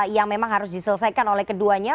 yang memang harus diselesaikan oleh keduanya